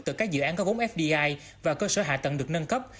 từ các dự án có vốn fdi và cơ sở hạ tầng được nâng cấp